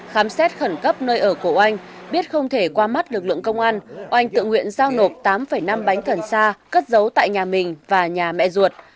khám xét khẩn cấp nơi ở của oanh biết không thể qua mắt lực lượng công an oanh tự nguyện giao nộp tám năm bánh cần sa cất giấu tại nhà mình và nhà mẹ ruột